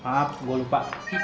maaf gua lupa